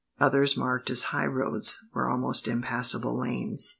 Others, marked as highroads, were almost impassable lanes.